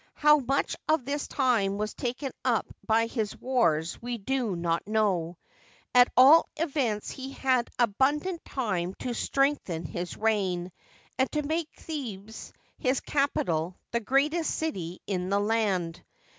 How much of this time was taken up by his wars we do not know. At all events, he had abundant time to strengthen his reign, and to make Thebes, his capital, the greatest city in the land.